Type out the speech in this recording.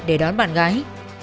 để đón bạn gái